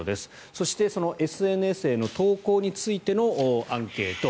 そして、そのＳＮＳへの投稿についてのアンケート。